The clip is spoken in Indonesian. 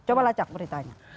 coba lacak beritanya